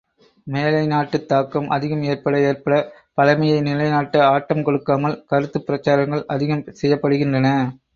மேலை நாட்டுத் தாக்கம் அதிகம் ஏற்பட ஏற்படப் பழைமையை நிலைநாட்ட ஆட்டம் கொடுக்காமல் கருத்துப் பிரச்சாரங்கள் அதிகம் செய்யப்படுகின்றன.